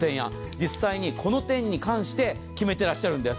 実際にこの点に関して決めていらっしゃるんです。